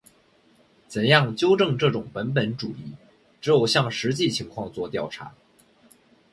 怎样纠正这种本本主义？只有向实际情况作调查。